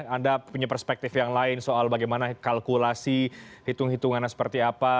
anda punya perspektif yang lain soal bagaimana kalkulasi hitung hitungannya seperti apa